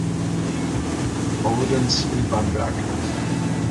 Ordens in Bamberg.